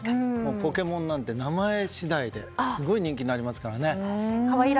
ポケモンなんて名前次第ですごい人気になりますからね。